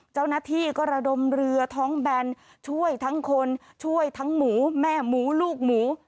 เจ้าหน้าที่ก็ระดมเรือท้องแบนช่วยทั้งคนช่วยทั้งหมูแม่หมูลูกหมู